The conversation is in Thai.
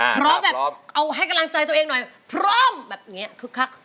เพราะแบบเอาให้กำลังใจตัวเองหน่อยพร้อมแบบนี้คึกคัก